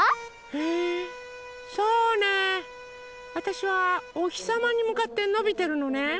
そうねえわたしはおひさまにむかってのびてるのね。